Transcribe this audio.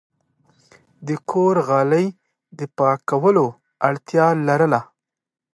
د کور غالی د پاکولو اړتیا لرله.